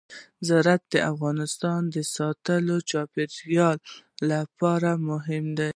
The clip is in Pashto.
زراعت د افغانستان د چاپیریال ساتنې لپاره مهم دي.